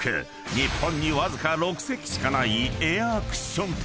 日本にわずか６隻しかないエアクッション艇］